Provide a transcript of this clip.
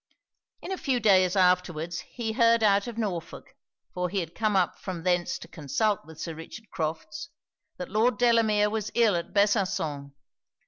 In a few days afterwards he heard out of Norfolk, (for he had come up from thence to consult with Sir Richard Crofts) that Lord Delamere was ill at Besançon.